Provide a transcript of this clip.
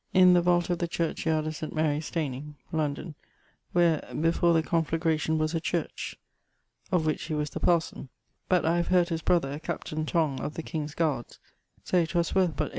<1680> in the vault of the church yard of St. Mary Stayning, London; where, before the conflagration, was a church, of which he was the parson; but I have heard his brother, captain Tong (of the King's Guards) say 'twas worth but 18 _li.